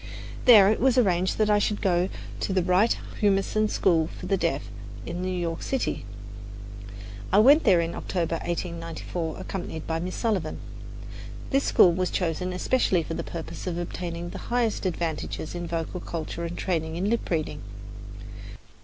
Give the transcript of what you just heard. There it was arranged that I should go to the Wright Humason School for the Deaf in New York City. I went there in October, 1894, accompanied by Miss Sullivan. This school was chosen especially for the purpose of obtaining the highest advantages in vocal culture and training in lip reading.